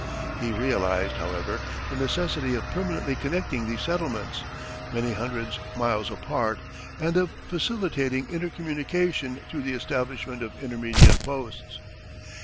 He realized, however, the necessity of permanently connecting these settlements, many hundred miles apart, and of facilitating intercommunication through the establishment of intermediate posts.